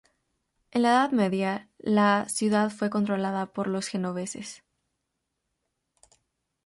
En la Edad Media la ciudad fue controlada por los genoveses.